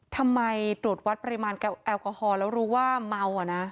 ทำไมตรวจวัดปริมาณแอลกอฮอล์แล้วรู้ว่าเมานะ